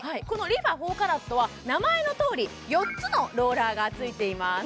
このＲｅＦａ４ＣＡＲＡＴは名前のとおり４つのローラーがついています